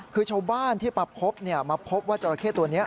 คือชาวบ้านที่มาพบมาพบว่าจราเข้ตัวนี้